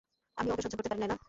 আমিও ওকে সহ্য করতে পারি নে এলা।